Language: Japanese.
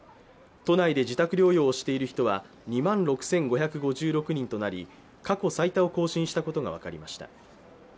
都内で自宅療養をしている人は２万６６５６人となり過去最多を更新したことが分かりました。